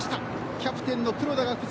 キャプテンの黒田が不在。